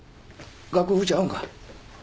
楽譜ちゃうんか？